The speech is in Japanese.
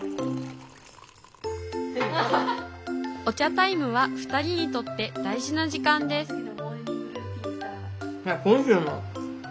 お茶タイムは２人にとって大事な時間です